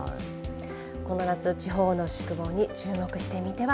この夏、地方の宿坊に注目してみては